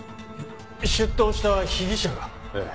出頭した被疑者が？ええ。